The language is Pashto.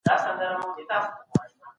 کليسا غوښتل چي خلګ په تيارو کي وساتي.